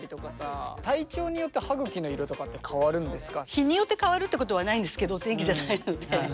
日によって変わるってことはないんですけど天気じゃないので。